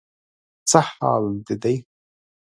څه حال دې دی؟